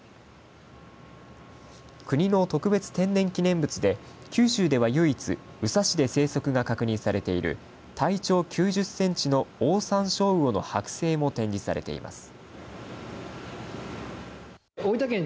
国の特別天然記念物で九州では唯一宇佐市で生息が確認されている体長９０センチのオオサンショウウオの剥製も展示されています。